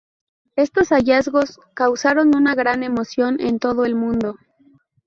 Estos hallazgos causaron una gran emoción en todo el mundo.